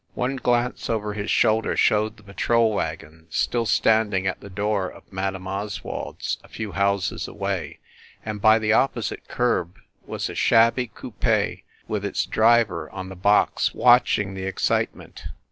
One glance over his shoulder showed the patrol wagon still standing at the door of Madame Os wald s, a few houses away, and, by the opposite curb was a shabby coupe, with its driver on the box watching the excitement.